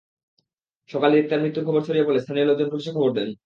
সকালে রিক্তার মৃত্যুর খবর ছড়িয়ে পড়লে স্থানীয় লোকজন পুলিশে খবর দেন।